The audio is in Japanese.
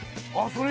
それ